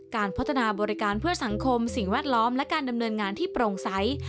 การพัฒนาบริการเพื่อสังคมสิ่งแวดล้อมและการดำเนินงานที่โปร่งใส